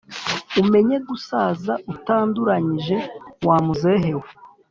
Umenye gusaza utanduranyije wa muzehe we